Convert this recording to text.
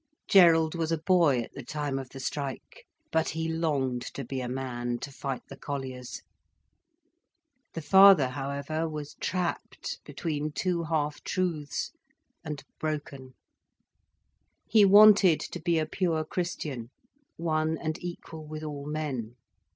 Gerald was a boy at the time of the strike, but he longed to be a man, to fight the colliers. The father however was trapped between two half truths, and broken. He wanted to be a pure Christian, one and equal with all men.